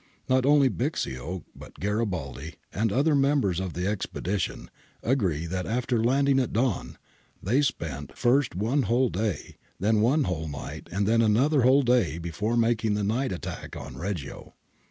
Not only Bixio but Garibaldi [Afetn. ^7S 37^) and other members of the expedition (Menghini, 451 452) agree that after landing at dawn they spent first one whole day, then one whole night, and then another whole day before making the night attack on Reggio.